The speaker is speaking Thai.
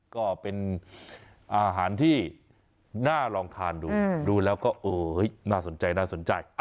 ก็เป็นอาหารที่น่าลองทานดูดูแล้วก็น่าสนใจน่าสนใจ